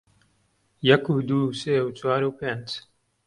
یەک و دوو و سێ و چوار و پێنج